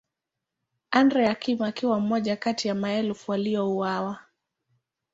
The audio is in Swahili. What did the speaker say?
Andrea Kim akawa mmoja kati ya maelfu waliouawa.